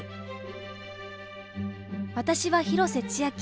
私は広瀬千明。